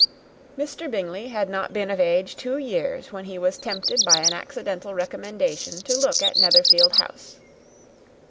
Mr. Bingley had not been of age two years when he was tempted, by an accidental recommendation, to look at Netherfield House.